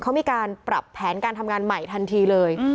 เขามีการปรับแผนการทำงานใหม่ทันทีเลย